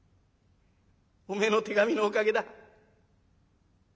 おめえの手紙のおかげだ。